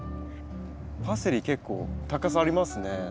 パセリ結構高さありますね。